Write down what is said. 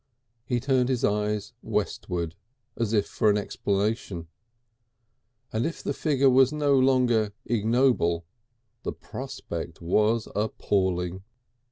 He turned his eyes westward as if for an explanation, and if the figure was no longer ignoble, the prospect was appalling.